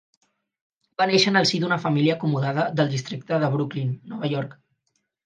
Va néixer en el si d'una família acomodada del districte de Brooklyn, Nova York.